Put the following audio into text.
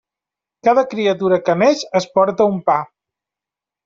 Cada criatura que neix es porta un pa.